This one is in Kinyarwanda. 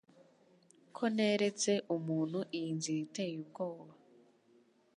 ko neretse umuntu iyi nzira iteye ubwoba